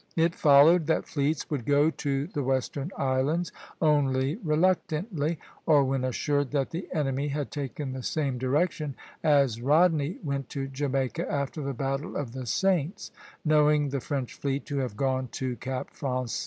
It followed that fleets would go to the western islands only reluctantly, or when assured that the enemy had taken the same direction, as Rodney went to Jamaica after the Battle of the Saints, knowing the French fleet to have gone to Cap Français.